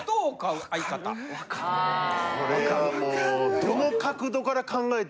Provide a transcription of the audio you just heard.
これはもう。